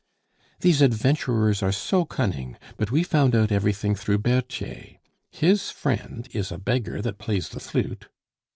"These adventurers are so cunning. But we found out everything through Berthier. His friend is a beggar that plays the flute.